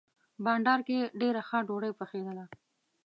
بانډار کې ډېره ښه ډوډۍ پخېدله.